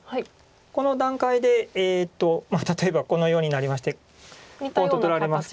この段階で例えばこのようになりましてポンと取られますと。